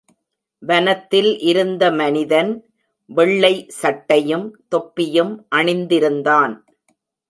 வனத்தில் இருந்த மனிதன் வெள்ளை சட்டையும் தொப்பியும் அணிந்திருந்தான்.